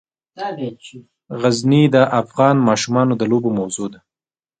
غزني د افغان ماشومانو د لوبو موضوع ده.